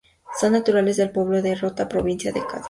Son naturales del pueblo de Rota provincia de Cádiz.